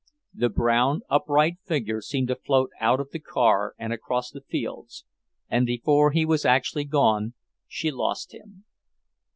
The brown, upright figure seemed to float out of the car and across the fields, and before he was actually gone, she lost him.